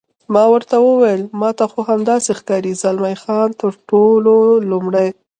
ما ورته وویل: ما ته خو همداسې ښکاري، زلمی خان: تر ټولو لومړی.